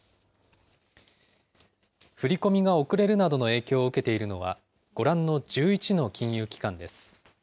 振り込みが遅れるなどの影響を受けているのは、ご覧の１１の金融機関です。